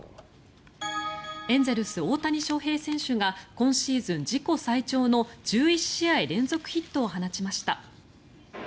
エンゼルス、大谷翔平選手が今シーズン自己最長の１１試合連続ヒットを放ちました。